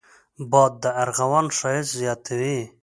باد د ارغوان ښايست زیاتوي